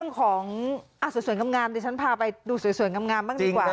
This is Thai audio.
เรื่องของสวยกำงามดิฉันพาไปดูสวยกำงามบ้างดีกว่า